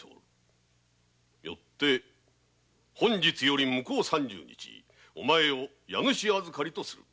よって本日より向こう三十日お前を家主預かりとする。